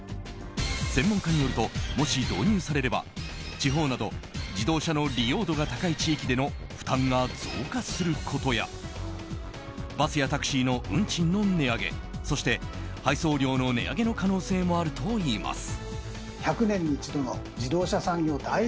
専門家によるともし導入されれば地方など自動車の利用度が高い地域での負担が増加することやバスやタクシーの運賃の値上げそして、配送料の値上げの可能性もあるといいます。